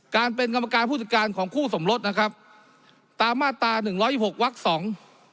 การเป็นกรรมการผู้จัดการของคู่สมรสนะครับตามมาตราหนึ่งร้อยหกวักสอง